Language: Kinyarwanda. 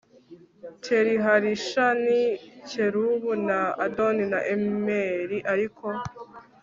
Teliharisha n i Kerubu na Adoni na Imeri ariko